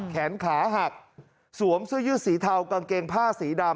แขนขาหักสวมเสื้อยืดสีเทากางเกงผ้าสีดำ